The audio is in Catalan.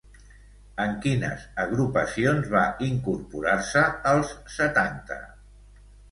En quines agrupacions va incorporar-se als setanta?